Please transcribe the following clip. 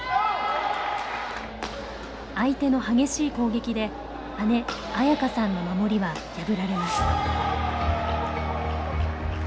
相手の激しい攻撃で姉紋可さんの守りは破られます。